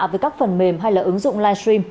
với các phần mềm hay là ứng dụng live stream